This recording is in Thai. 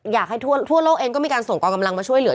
อยากให้ทั่วโลกเองก็มีการส่งกองกำลังมาช่วยเหลือ